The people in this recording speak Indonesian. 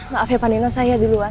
maaf ya pak nino saya di luar